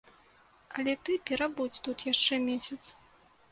Але ты перабудзь тут яшчэ месяц.